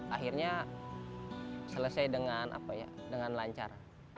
akhirnya selesai dengan lancar